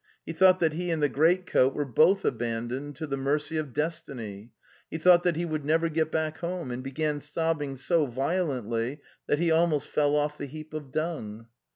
He thought that he and the great coat were both abandoned to the mercy of destiny; he thought that he would never get back home, and began sobbing so violently that he almost fell off the heap of dung.